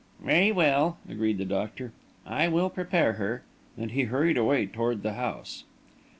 "Very well," agreed the doctor. "I will prepare her," and he hurried away toward the house.